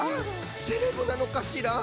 セレブなのかしら？